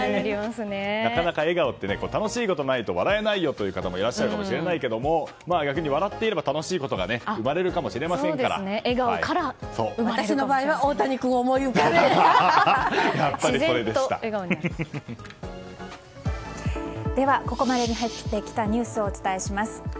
なかなか笑顔って楽しいことがないと笑えないよという方もいらっしゃるかもしれないけども逆に笑っていれば楽しいことが笑顔から私の場合はでは、ここまでに入ってきたニュースをお伝えします。